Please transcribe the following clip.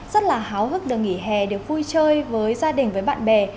rất là háo hức được nghỉ hè để vui chơi với gia đình với bạn bè